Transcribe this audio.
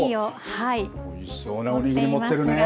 おいしそうなおにぎり持ってるね。